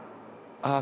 ああ